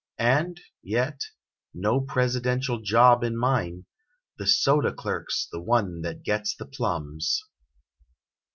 And, yet, no presidential job in mine: The soda clerk s the one that gets the plums!